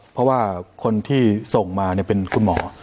เพราะว่าคนที่ส่งมาเป็นคุณหมอ